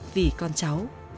vì con cháu